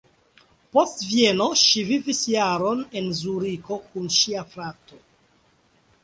Post Vieno ŝi vivis jaron en Zuriko kun ŝia frato.